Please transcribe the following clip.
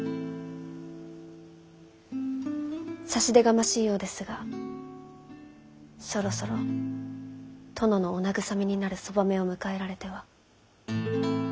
差し出がましいようですがそろそろ殿のお慰めになる側女を迎えられては？